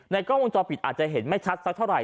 กล้องวงจรปิดอาจจะเห็นไม่ชัดสักเท่าไห